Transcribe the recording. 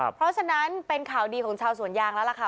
เพราะฉะนั้นเป็นข่าวดีของชาวสวนยางแล้วล่ะค่ะ